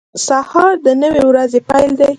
• سهار د نوې ورځې پیل دی.